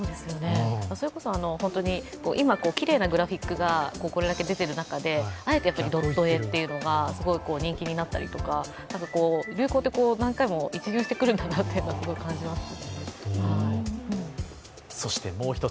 それこそ、今、きれいなグラフィックがこれだけ出ている中で、あえてドット絵が人気になったりとかあと、流行って何回も一巡してくるんだなって感じます。